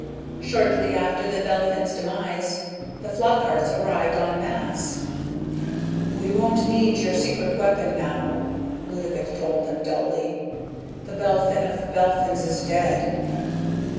Shortly after The Belphin's demise, the Flockharts arrived en masse. "We won't need your secret weapons now," Ludovick told them dully. "The Belphin of Belphins is dead."